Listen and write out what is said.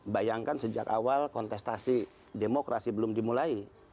bayangkan sejak awal kontestasi demokrasi belum dimulai